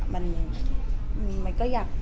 มันก็อยาก